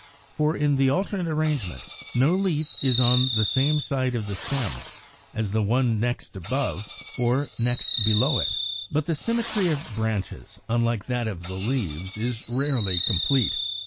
For in the alternate arrangement no leaf is on the same side of the stem as the one next above or next below it. 55. But the symmetry of branches (unlike that of the leaves) is rarely complete.